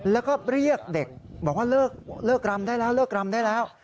แล้วก็เรียกเด็กบอกว่าเลิกรำได้แล้ว